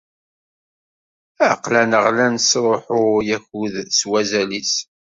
Aql-aneɣ la nesṛuḥuy akud s wazal-is.